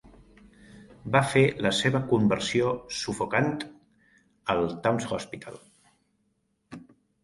Va fer la seva conversió "sufocant" al Towns Hospital.